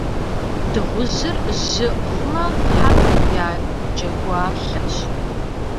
Дыгъужьыр жьы хъумэ, хьэм я джэгуалъэщ.